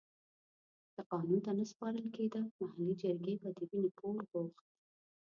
که قانون ته نه سپارل کېده محلي جرګې به د وينې پور غوښت.